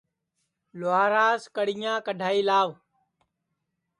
لُہاراس کڑِیاں کڈؔائی لاوَ